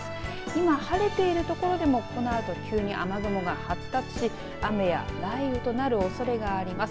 今晴れているところでもこのあと急に雨雲が発達し雨や雷雨となるおそれがあります。